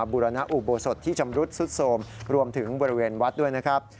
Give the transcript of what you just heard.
บุรณอุโบสถที่ชำรุดสุดโสมรวมถึงบริเวณวัดด้วยนะครับ